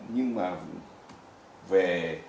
nhưng mà về